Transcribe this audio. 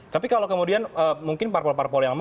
tapi kalau kemudian mungkin parpol parpol yang lama